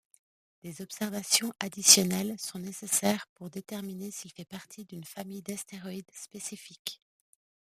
Des observations additionnelles sont nécessaires pour déterminer s'il fait partie d'une famille d'astéroïdes spécifiques.